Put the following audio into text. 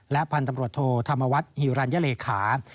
และพันตำรวจโธธรรมวัติฮิวรันยาเลขา